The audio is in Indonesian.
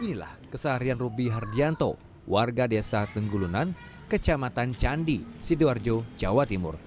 inilah keseharian ruby hardianto warga desa tenggulunan kecamatan candi sidoarjo jawa timur